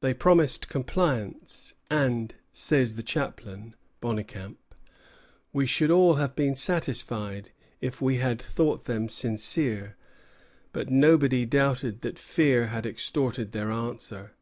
They promised compliance; "and," says the chaplain, Bonnecamp, "we should all have been satisfied if we had thought them sincere; but nobody doubted that fear had extorted their answer."